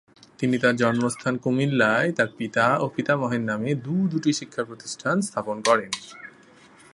তিনি তার জন্মস্থান কুমিল্লায় তার পিতা ও পিতামহের নামে দুটি দুটি শিক্ষাপ্রতিষ্ঠান প্রতিষ্ঠা করেন।